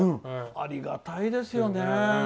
ありがたいですよね！